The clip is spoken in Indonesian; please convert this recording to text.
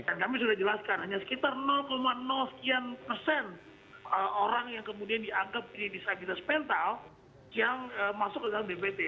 dan kami sudah jelaskan hanya sekitar sekian persen orang yang kemudian dianggap kritis kritis mental yang masuk ke dalam dpt